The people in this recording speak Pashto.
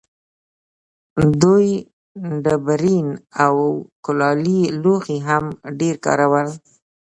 دوی ډبرین او کلالي لوښي هم ډېر کارول.